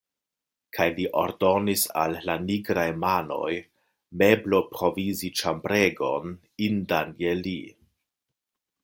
Kaj li ordonis al la nigraj manoj mebloprovizi ĉambregon, indan je li.